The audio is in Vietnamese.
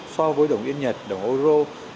so với đồng yên nhật đồng euro